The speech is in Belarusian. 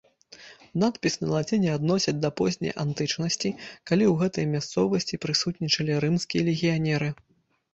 Надпіс на лаціне адносяць да позняй антычнасці, калі ў гэтай мясцовасці прысутнічалі рымскія легіянеры.